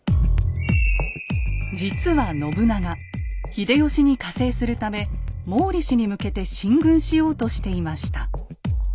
秀吉に加勢するため毛利氏に向けて進軍しようとしていました。